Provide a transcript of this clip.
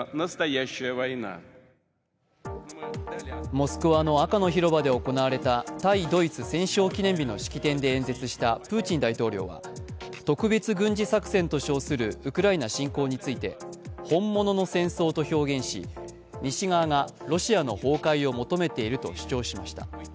モスクワの赤の広場で行われた対ドイツ戦勝記念日の式典で演説したプーチン大統領は、特別軍事作戦と称するウクライナ侵攻について本物の戦争と表現し西側が、ロシアの崩壊を求めていると主張しました。